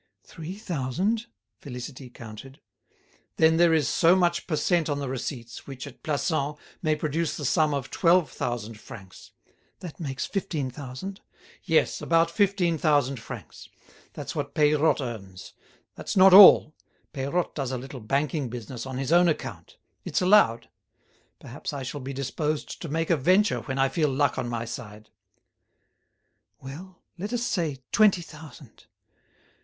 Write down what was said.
"Three thousand," Félicité counted. "Then there is so much per cent on the receipts, which at Plassans, may produce the sum of twelve thousand francs." "That makes fifteen thousand." "Yes, about fifteen thousand francs. That's what Peirotte earns. That's not all. Peirotte does a little banking business on his own account. It's allowed. Perhaps I shall be disposed to make a venture when I feel luck on my side." "Well, let us say twenty thousand.